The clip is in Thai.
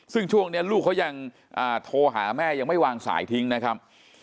ซึ่งช่วงนี้ลูกเขายังโทรหาแม่ยังไม่วางสายทิ้งนะครับ